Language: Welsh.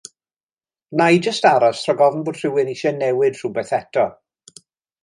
Wna i jyst aros rhag ofn bod rhywun eisiau newid rhywbeth eto.